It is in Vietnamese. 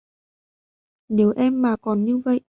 Nếu em mà còn như vậy